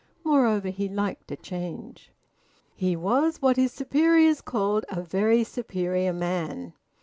Moreover, he liked a change. He was what his superiors called `a very superior man.'